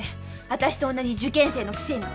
私と同じ受験生のくせに！